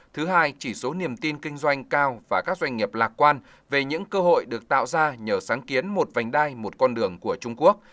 thứ hai chỉ số niềm tin kinh doanh cao và các doanh nghiệp lạc quan về những cơ hội được tạo ra nhờ sáng kiến một vành đai một con đường của trung quốc